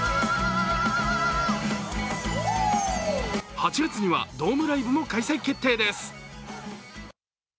８月にはドームライブも開催決定です。